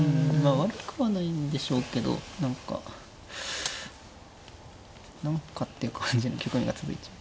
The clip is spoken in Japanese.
悪くはないんでしょうけど何か何かっていう感じの局面が続いちゃう。